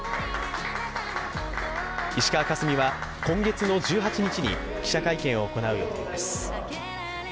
石川佳純は今月１８日に記者会見を行う予定です。